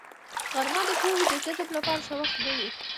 غرمه د پوهې د جذب لپاره ښه وخت نه وي